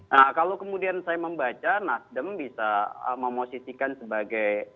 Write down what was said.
nah kalau kemudian saya membaca nasdem bisa memosisikan sebagai